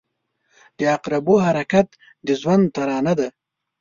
• د عقربو حرکت د ژوند ترانه ده.